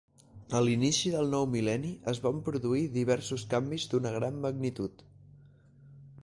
A l'inici del nou mil·leni es van produir diversos canvis d'una gran magnitud.